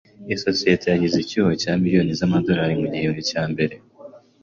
Isosiyete yagize icyuho cya miliyoni z'amadolari mu gihembwe cya mbere.